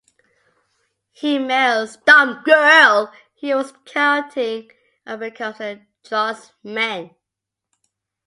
He marries the girl he was courting and becomes a draughtsman.